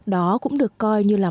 đó cũng được coi như là